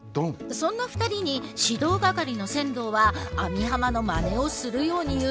そんな２人に指導係の千堂は網浜のまねをするように言う。